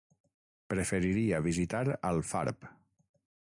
Preferiria visitar Alfarb.